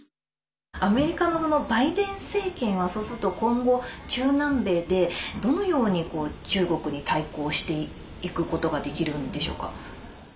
アメリカのバイデン政権はそうすると今後、中南米でどのように中国に対抗していくことができるんでしょうか。